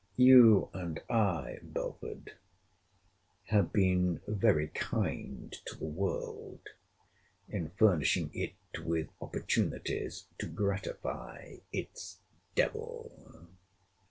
You and I, Belford, have been very kind to the world, in furnishing it with opportunities to gratify its devil.